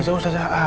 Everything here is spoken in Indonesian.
ini pak ustazah